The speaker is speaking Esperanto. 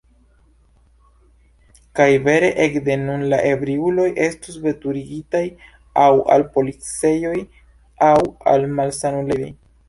Kaj vere: ekde nun la ebriuloj estos veturigitaj aŭ al policejoj aŭ al malsanulejoj.